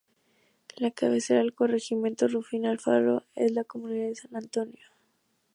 La cabecera del corregimiento Rufina Alfaro es la comunidad de San Antonio.